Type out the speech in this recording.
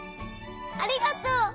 ありがとう！